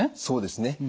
そうですね。